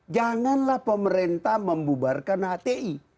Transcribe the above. janganlah pemerintah membubarkan hti